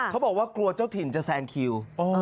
เขาบอกว่ากลัวเจ้าถิ่นจะแซงคิว